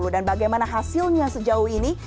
dan bagaimana hasilnya sejauh ini